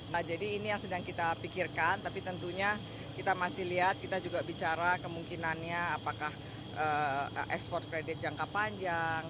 nah jadi ini yang sedang kita pikirkan tapi tentunya kita masih lihat kita juga bicara kemungkinannya apakah ekspor kredit jangka panjang